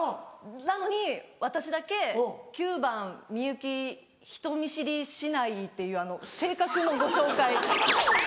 なのに私だけ「９番幸人見知りしない」っていう性格のご紹介。